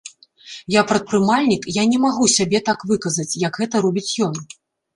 Я прадпрымальнік, я не магу сябе так выказаць, як гэта робіць ён.